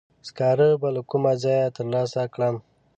سکاره به له کومه ځایه تر لاسه کړم؟